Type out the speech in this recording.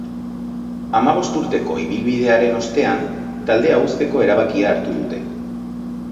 Hamabost urteko ibilbidearen ostean, taldea uzteko erabakia hartu dute.